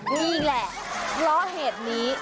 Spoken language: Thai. นี่แหละเพราะเหตุนี้